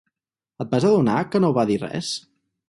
Et vas adonar que no va dir res?